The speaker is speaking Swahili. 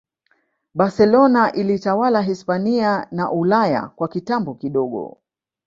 Barcelona ilitawala Hispania na Ulaya kwa kitambo kidogo